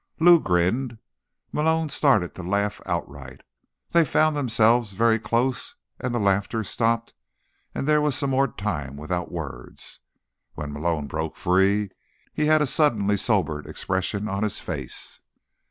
Lou grinned. Malone started to laugh outright. They found themselves very close and the laughter stopped, and there was some more time without words. When Malone broke free, he had a suddenly sobered expression on his face.